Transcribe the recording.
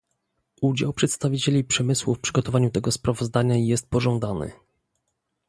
Udział przedstawicieli przemysłu w przygotowaniu tego sprawozdania jest pożądany